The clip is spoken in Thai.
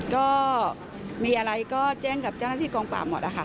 ก็มีอะไรก็แจ้งกับเจ้านักศิษย์กองปราบหมดแล้วค่ะ